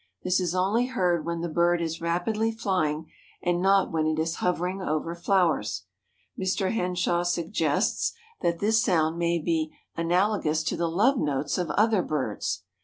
This is only heard when the bird is rapidly flying and not when it is hovering over flowers. Mr. Henshaw suggests that this sound may be "analogous to the love notes of other birds."